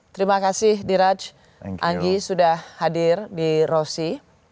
terima kasih diraj anggi sudah hadir di rossi